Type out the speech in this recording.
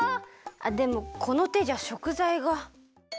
あでもこのてじゃしょくざいが。